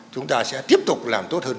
chúng ta sẽ tiếp tục làm tốt hơn